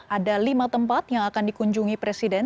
ada lima tempat yang akan dikunjungi presiden